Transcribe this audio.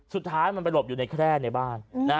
สุดท้ายมันไปหลบอยู่ในแคร่ในบ้าน